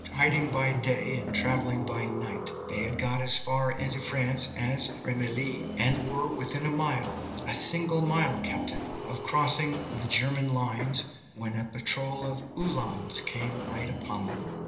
Hiding by day and travelling by night, they had got as far into France as Remilly, and were within a mile a single mile, captain of crossing the German lines when a patrol of Uhlans came right upon them.